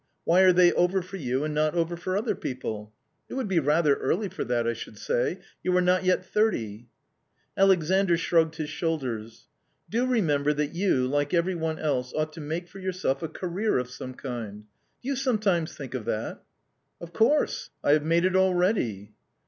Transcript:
Why are they over for you, and not over for other people ? It would be rather early for that, I should say ; you are not yet thirty." Alexandr shrugged his shoulders. u Do remember that you, like every one else, ought to make for yourself a career of some kind. Do you some times think of that ?"" Of course I I have made it already."